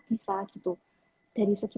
bisa gitu dari segi